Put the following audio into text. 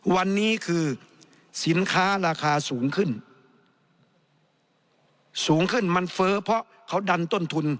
วันนี้คือสินค้าราคาสูงขึ้นสูงขึ้นมันเฟ้อเพราะเขาดันต้นทุน